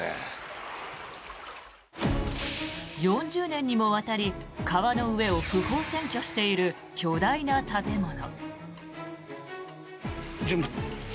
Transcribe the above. ４０年にもわたり川の上を不法占拠している巨大な建物。